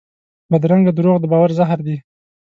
بدرنګه دروغ د باور زهر دي